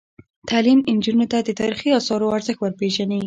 تعلیم نجونو ته د تاریخي اثارو ارزښت ور پېژني.